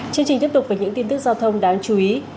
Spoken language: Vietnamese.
chương trình tiếp tục với những tin tức giao thông đáng chú ý